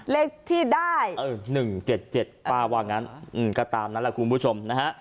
เลขที่ได้เออหนึ่งเจ็ดเจ็ดป้าวังอืมก็ตามนั้นล่ะคุณผู้ชมนะฮะ